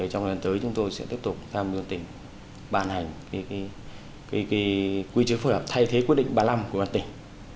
trong lần tới chúng tôi sẽ tiếp tục tham dự tỉnh bàn hành quy chế phối hợp thay thế quyết định ba mươi năm của mặt tỉnh